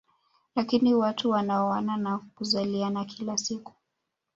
Lakini watu wanaoana na kuzaliana kila siku